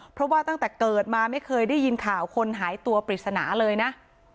เพราะว่าตั้งแต่เกิดมาไม่เคยได้ยินข่าวคนหายตัวปริศนาเลยนะ